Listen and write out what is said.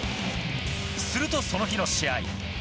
するとその日の試合。